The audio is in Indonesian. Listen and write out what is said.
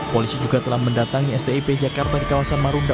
polisi juga telah mendatangi stip jakarta di kawasan marunda